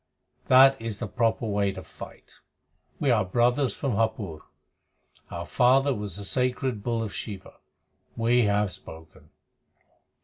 That is the proper way to fight. We are brothers from Hapur. Our father was a sacred bull of Shiva. We have spoken."